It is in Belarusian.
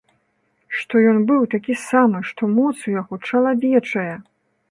Што ён быў такі самы, што моц у яго чалавечая!